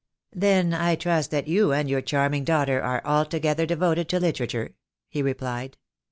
"Then I trust that you and your charming daughter are altogether devoted to Uterature? " he replied.